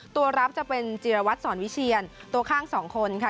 ตัวรับจะเป็นจิรวัตรสอนวิเชียนตัวข้างสองคนค่ะ